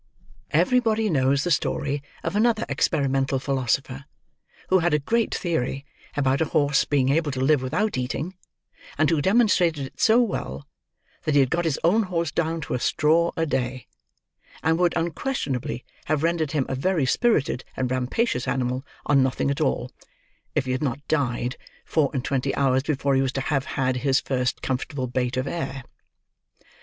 Everybody knows the story of another experimental philosopher who had a great theory about a horse being able to live without eating, and who demonstrated it so well, that he had got his own horse down to a straw a day, and would unquestionably have rendered him a very spirited and rampacious animal on nothing at all, if he had not died, four and twenty hours before he was to have had his first comfortable bait of air.